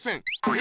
え？